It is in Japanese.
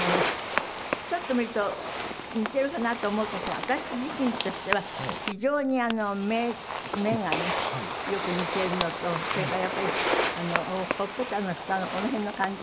ちょっと見ると似てるかなと思うけど私自身としては非常に目がねよく似ているのとそれからやっぱりほっぺたの下のこの辺の感じ？